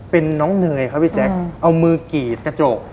เป็นน้องเนยครับพี่แจ๊คเอามือกรีดกระจก